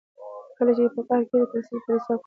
کله چې په قهر کېږې تر سل پورې حساب کوه.